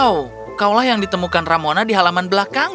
wow kaulah yang ditemukan ramona di halaman belakang